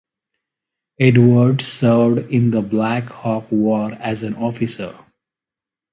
Edwards served in the Black Hawk War as an officer.